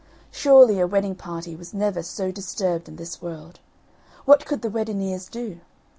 Surely a wedding party was never so disturbed in this world. What could the weddineers do?